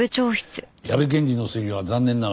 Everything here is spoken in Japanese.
矢部検事の推理は残念ながら。